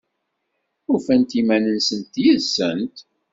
Ufant iman-nsent yid-sent?